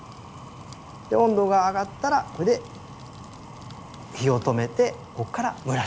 温度が上がったらこれで火を止めてここから蒸らしです。